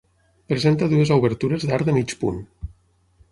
Presenta dues obertures d'arc de mig punt.